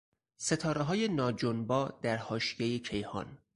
ستارههای ناجنبا در حاشیهی کیهان